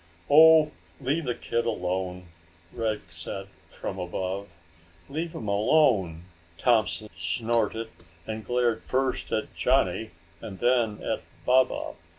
"Oh, leave the kid alone," Rick said from above. "Leave him alone!" Thompson snorted, and glared first at Johnny and then at Baba.